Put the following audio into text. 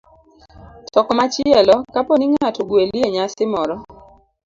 To komachielo, kapo ni ng'ato ogweli e nyasi moro,